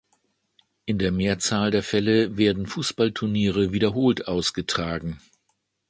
In der Mehrzahl der Fälle werden Fußballturniere wiederholt ausgetragen.